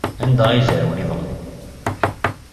Anda ay zerwen iḍelli?